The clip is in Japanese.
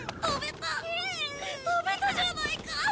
飛べたじゃないか！